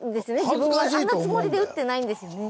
自分はあんなつもりで打ってないんですよね。